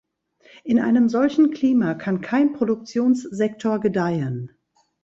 In einem solchen Klima kann kein Produktionssektor gedeihen.